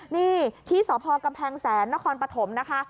นี่ที่สพกำแพงแสนนครปฐมนะคะ